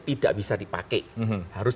tidak bisa dipakai harus